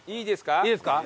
いいですか？